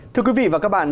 thưa quý vị và các bạn